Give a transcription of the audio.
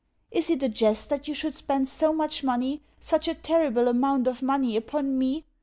Is it a jest that you should spend so much money, such a terrible amount of money, upon me?